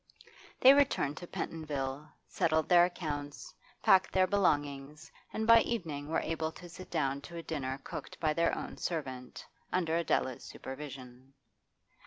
They returned to Pentonville, settled their accounts, packed their belongings, and by evening were able to sit down to a dinner cooked by their own servant under Adela's supervision.